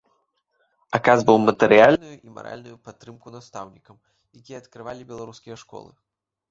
Аказваў матэрыяльную і маральную падтрымку настаўнікам, якія адкрывалі беларускія школы.